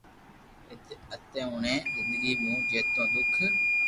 ھتي اوڻي زندگي مون جيتو دوک